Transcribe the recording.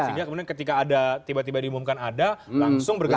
sehingga kemudian ketika ada tiba tiba diumumkan ada langsung bergabung